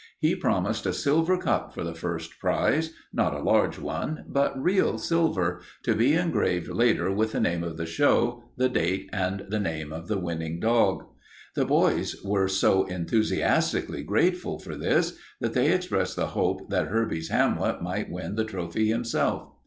He promised a silver cup for the first prize not a large one, but real silver to be engraved later with the name of the show, the date, and the name of the winning dog. The boys were so enthusiastically grateful for this that they expressed the hope that Herbie's Hamlet might win the trophy himself.